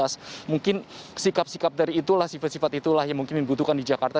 mungkin sikap sikap dari itulah sifat sifat itulah yang mungkin dibutuhkan di jakarta